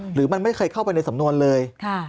หรือมันไม่เคยเข้าไปในสำนวนเลย